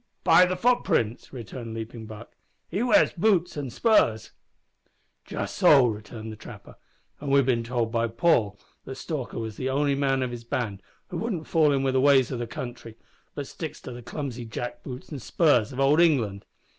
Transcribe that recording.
"By the footprints," returned Leaping Buck. "He wears boots and spurs." "Just so," returned the trapper, "and we've bin told by Paul that Stalker was the only man of his band who wouldn't fall in wi' the ways o' the country, but sticks to the clumsy Jack boots and spurs of old England.